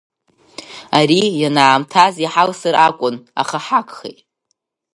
Ари ианаамҭаз иҳалсыр акәын, аха ҳагхеит.